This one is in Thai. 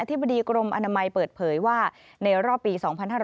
ธิบดีกรมอนามัยเปิดเผยว่าในรอบปี๒๕๕๙